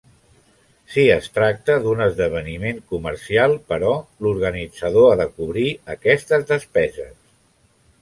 Si es tracta d'un esdeveniment comercial, però, l'organitzador ha de cobrir aquestes despeses.